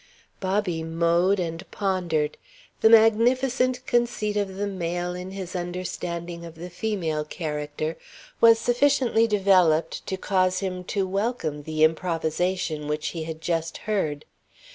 Bobby mowed and pondered. The magnificent conceit of the male in his understanding of the female character was sufficiently developed to cause him to welcome the improvisation which he had just heard.